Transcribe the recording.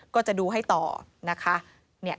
ก็จะดูให้ต่อนะคะ